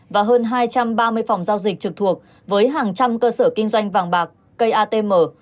và hơn hai trăm ba mươi phòng giao dịch trực thuộc với hàng trăm cơ sở kinh doanh vàng bạc cây atm